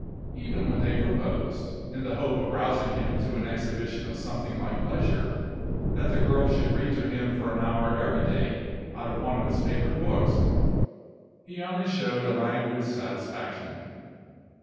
Even when they proposed, in the hope of rousing him to an exhibition of something like pleasure, that the girl should read to him for an hour every day out of one of his favorite books, he only showed a languid satisfaction.